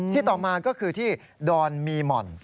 ต่อมาก็คือที่ดอนมีหม่อน